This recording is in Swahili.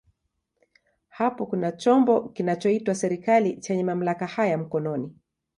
Hapo kuna chombo kinachoitwa serikali chenye mamlaka haya mkononi.